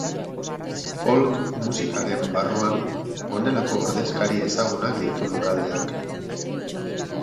Folk musikaren barruan honelako ordezkari ezagunak ditu lurraldeak.